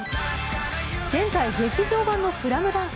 現在、劇場版の「ＳＬＡＭＤＵＮＫ」